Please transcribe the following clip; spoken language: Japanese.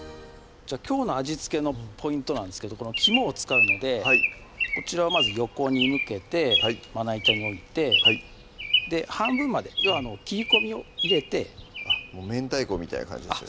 きょうの味付けのポイントなんですけどこの肝を使うのでこちらをまず横に向けてまな板に置いて半分まで要は切り込みを入れてめんたいこみたいな感じですね